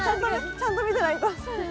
ちゃんと見てないと。